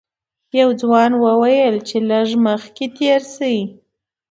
یوه ځوان وویل چې لږ مخکې تېر شئ.